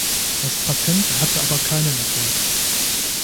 Das Patent hatte aber keinen Erfolg.